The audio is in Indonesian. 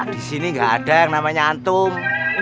disini gak ada yang namanya antum